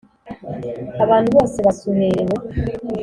abantu bose basuherewe.